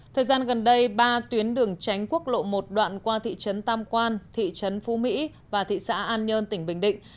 thời gian gần đây ba tuyến đường tránh quốc lộ một đoạn qua thị trấn tam quan thị trấn phú mỹ và thị xã an nhơn tỉnh bình định